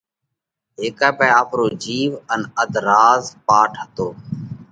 هيڪئہ پاهئہ آپرو جِيو ان اڌ راز پاٽ هتو